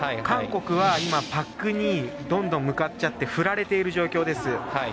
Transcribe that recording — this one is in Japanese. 韓国はパックにどんどん向かっちゃって振られている状況です。